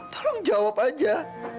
tolong jawab saja